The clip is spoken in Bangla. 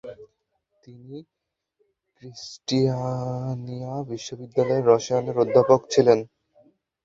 তিনি ক্রিস্টিয়ানিয়া বিশ্ববিদ্যালয়ের রসায়নের অধ্যাপক ছিলেন।